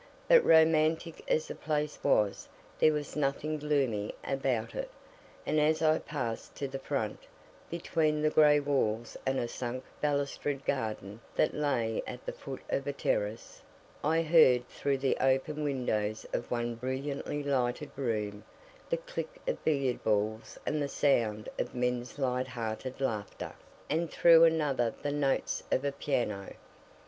But romantic as the place was, there was nothing gloomy about it, and as I passed to the front, between the grey walls and a sunk balustered garden that lay at the foot of a terrace, I heard through the open windows of one brilliantly lighted room the click of billiard balls and the sound of men's light hearted laughter, and through another the notes of a piano.